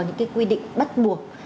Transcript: những quy định bắt buộc